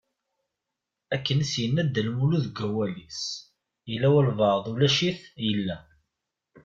Akken i as-yenna dda Lmulud deg wawal-is: Yella walebɛaḍ ulac-it, yella.